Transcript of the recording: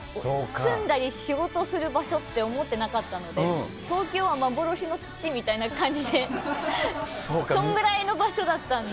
住んだり、仕事する場所って思ってなかったので、東京は幻の地みたいな感じで、そんぐらいの場所だったんで。